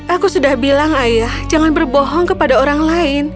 aku sudah bilang ayah jangan berbohong kepada orang lain